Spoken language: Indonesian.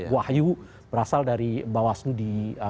wahyu berasal dari bawaslu di